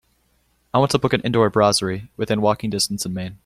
I want to book an indoor brasserie within walking distance in Maine.